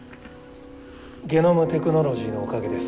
ゲノムテクノロジーのおかげです。